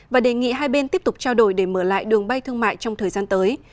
và đề nghị hai bên tiếp tục trao đổi để mở lại đường bay thương mại trong thời gian tới